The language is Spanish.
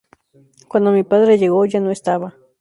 Cuando mi padre llegó ya no estaba…".